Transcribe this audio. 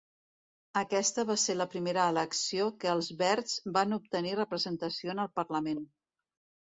Aquesta va ser la primera elecció que els Verds van obtenir representació en el parlament.